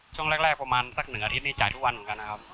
ช่วงแรกประมาณสัก๑อาทิตย์นี่จ่ายทุกวันเหมือนกันนะครับ